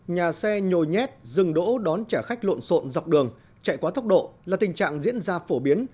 nhà xe nhồi nhét dừng đỗ đón trả khách lộn xộn dọc đường chạy quá tốc độ là tình trạng diễn ra phổ biến